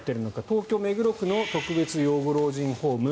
東京・目黒区の特別養護老人ホーム。